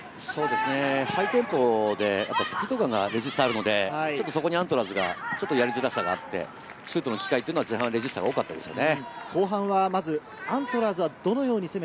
ハイテンポでつくところがレジスタはあるので、アントラーズはやりづらさがあって、シュートの機会というのは、前半はレジスタが多かったですね。